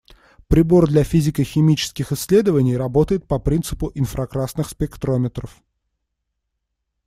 Прибор для физико‑химических исследований работает по принципу инфракрасных спектрометров.